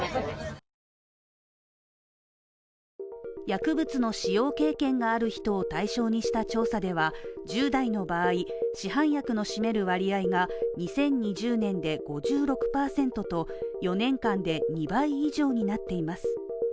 薬物の使用経験がある人を対象にした調査では１０代の場合、市販薬の占める割合が２０２０年で５６％と、４年間で２倍以上になっています。